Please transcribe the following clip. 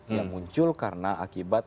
yang muncul karena akibat